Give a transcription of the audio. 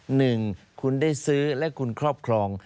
หนึ่งคุณได้ซื้อและคุณครอบครอง